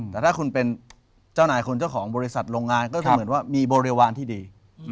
แต่ถ้าคุณเป็นเจ้านายคุณเจ้าของบริษัทโรงงานก็จะเหมือนว่ามีบริวารที่ดี